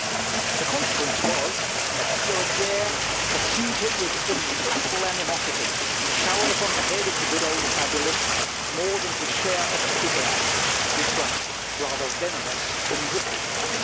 The consequence was, that Furetière pursued him with implacable animosity, and showered upon the head of the good old fabulist more than his share of epigrams, which were rather venomous than witty.